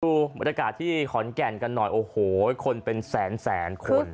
ดูบรรยากาศที่ขอนแก่นกันหน่อยโอ้โหคนเป็นแสนแสนคน